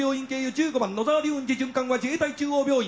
１５番野沢龍雲寺循環は自衛隊中央病院。